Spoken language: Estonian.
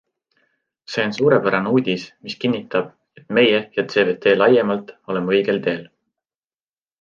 See on suurepärane uudis, mis kinnitab, et meie ja CVT laiemalt oleme õigel teel.